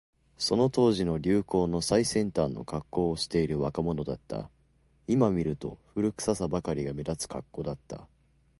その当時の流行の最先端のカッコをしている若者だった。今見ると、古臭さばかりが目立つカッコだった。